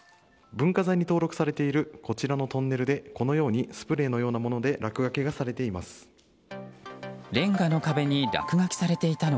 文化財に登録されているこちらのトンネルでスプレーのようなもので落書きがされています。